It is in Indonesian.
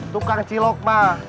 tukang cilok mah